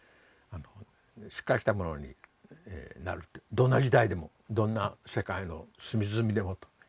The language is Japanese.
どんな時代でもどんな世界の隅々でもというのがね